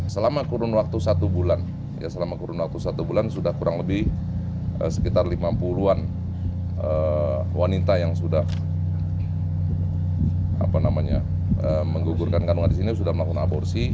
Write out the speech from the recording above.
selama kurun waktu satu bulan sudah kurang lebih sekitar lima puluh an wanita yang sudah menggugurkan kandungan di sini sudah melakukan aborsi